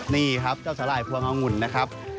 นี่ครับเจ้าสาหร่ายพวงองุ่นนะครับ